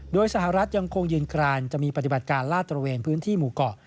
โดยสหรัฐยังคงยืนกรานจะมีปฏิบัติการลาดตระเวนพื้นที่หมู่เกาะ